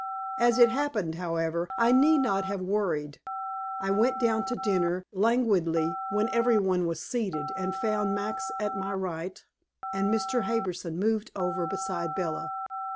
As it happened, however, I need not have worried. I went down to dinner, languidly, when every one was seated, and found Max at my right, and Mr. Harbison moved over beside Bella.